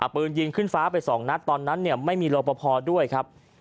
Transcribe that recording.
ปืนยิงขึ้นฟ้าไป๒นัดตอนนั้นไม่มีรอปภด้วยครับ